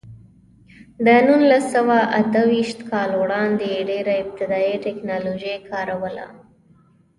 د نولس سوه اته ویشت کال وړاندې ډېره ابتدايي ټکنالوژي کار وله.